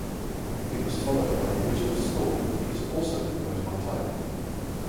It was followed by the "Original Score", which was also composed by Tyler.